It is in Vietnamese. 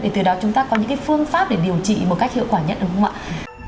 từ đó chúng ta có những phương pháp để điều trị một cách hiệu quả nhất đúng không ạ